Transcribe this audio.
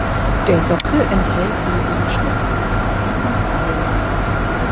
Der Sockel enthält eine Inschrift mit sieben Zeilen.